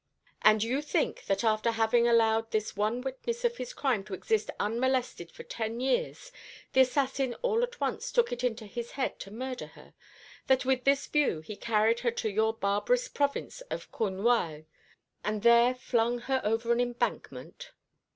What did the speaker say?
"And you think that after having allowed this one witness of his crime to exist unmolested for ten years, the assassin all at once took it into his head to murder her; that with this view he carried her to your barbarous province of Cornuailles, and there flung her over an embankment.